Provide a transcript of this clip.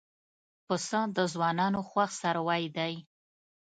پسه د ځوانانو خوښ څاروی دی.